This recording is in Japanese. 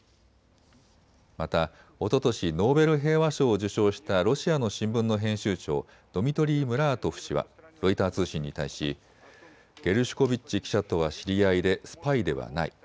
また、おととしノーベル平和賞を受賞したロシアの新聞の編集長、ドミトリー・ムラートフ氏はロイター通信に対しゲルシュコビッチ記者とは知り合いでスパイではない。